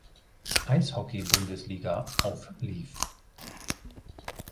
Eishockey-Bundesliga auflief.